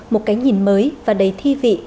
một cái nhìn mới và đầy thi vị